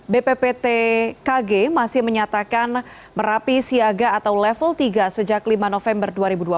bpptkg masih menyatakan merapi siaga atau level tiga sejak lima november dua ribu dua puluh